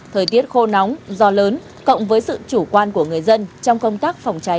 thời tiết khô nóng gió lớn cộng với sự chủ quan của người dân trong công tác phòng cháy